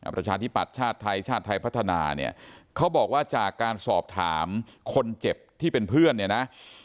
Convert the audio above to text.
ประชาธิปัตย์ชาติไทยชาติไทยพัฒนาเนี่ยเขาบอกว่าจากการสอบถามคนเจ็บที่เป็นเพื่อนเนี่ยนะ